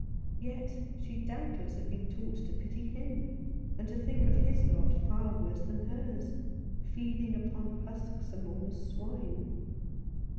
Yet she doubtless had been taught to pity him, and to think his lot far worse than hers, feeding upon husks among the swine.